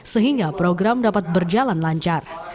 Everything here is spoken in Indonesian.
sehingga program dapat berjalan lancar